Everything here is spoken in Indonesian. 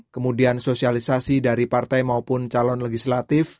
kemudian sosialisasi dari partai maupun calon legislatif